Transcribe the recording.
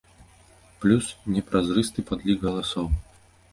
Плюс непразрысты падлік галасоў.